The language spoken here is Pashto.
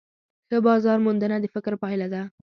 ښه بازارموندنه د فکر پایله ده.